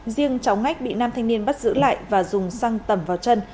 riêng cháu ngách bị nam thanh niên bắt giữ lại và dùng xăng tẩm vào chân